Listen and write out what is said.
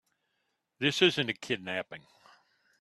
This isn't a kidnapping.